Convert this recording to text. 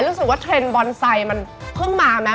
รู้สึกว่าเทรนด์บอนไซค์มันเพิ่งมาไหม